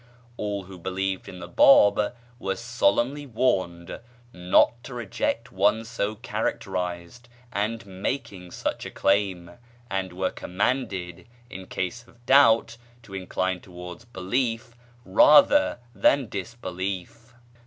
All who believed in the Báb were solemnly warned not to reject one so characterized and making such a claim, and were commanded, in case of doubt, to incline towards belief rather than disbelief.